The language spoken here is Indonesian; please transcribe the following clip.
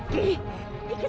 satu dengan satu